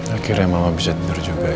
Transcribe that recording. akhirnya mama bisa tidur juga